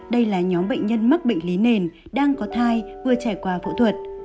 đây là nhóm bệnh nhân mắc bệnh lý nền đang có thai vừa trải qua phẫu thuật